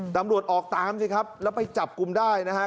ตำรวจออกตามสิครับแล้วไปจับกลุ่มได้นะครับ